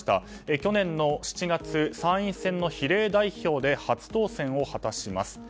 去年の７月、参院選の比例代表で初当選を果たします。